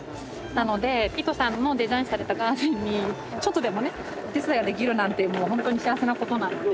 なのでピートさんのデザインされたガーデンにちょっとでもね手伝いができるなんてもうほんとに幸せなことなので。